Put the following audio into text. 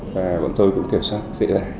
và bọn tôi cũng kiểm soát dễ dàng